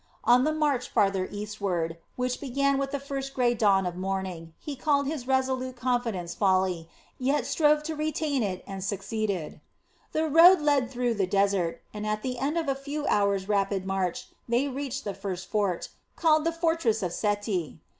On the march farther eastward, which began with the first grey dawn of morning, he called this resolute confidence folly, yet strove to retain it and succeeded. The road led through the desert, and at the end of a few hours' rapid march they reached the first fort, called the Fortress of Seti.